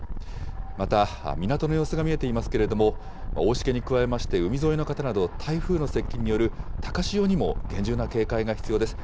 また、港の様子が見えていますけれども、大しけに加えまして、海沿いの方など、台風の接近による高潮にも厳重な警戒が必要です。